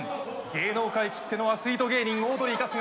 芸能界きってのアスリート芸人オードリー・春日。